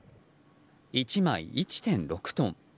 １枚１．６トン。